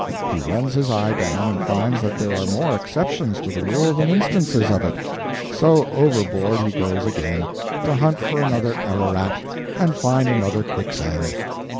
He runs his eye down and finds that there are more exceptions to the rule than instances of it. So overboard he goes again, to hunt for another Ararat and find another quicksand.